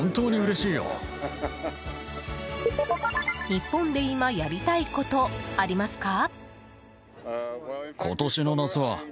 日本で今やりたいこと、ありますか？